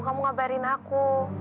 kamu ngabarin aku